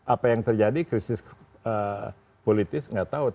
apa yang terjadi krisis politis nggak tahu